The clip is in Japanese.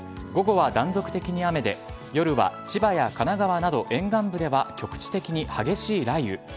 午後は断続的に雨で夜は千葉や神奈川など沿岸部では局地的に激しい雷雨。